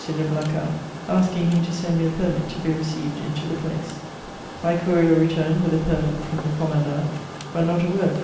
de Blacas, asking him to send me a permit to be received into the place. My courier returned with a permit from the commandant, but not a word from M.